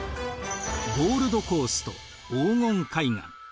ゴールドコースト黄金海岸。